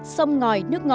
sông ngòi nước ngọt